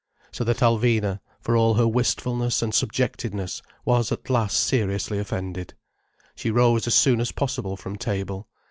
So that Alvina, for all her wistfulness and subjectedness, was at last seriously offended. She rose as soon as possible from table.